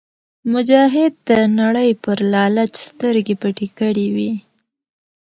مجاهد د نړۍ پر لالچ سترګې پټې کړې وي.